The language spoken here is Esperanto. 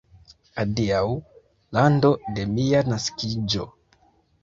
Adiaŭ, lando de mia naskiĝo!